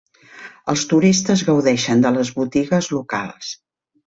Els turistes gaudeixen de les botigues locals.